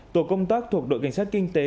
tổ công tác thuộc đội cảnh sát kinh tế